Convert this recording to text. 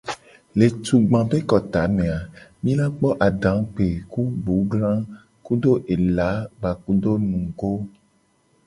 Le tugba be kota me a, mi la kpo adagbe ku gbugbla kudo ela gbakudo nugo.